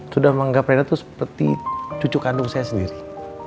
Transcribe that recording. sudah menganggap reda itu seperti cucu kandung saya sendiri